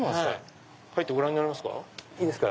入ってご覧になりますか？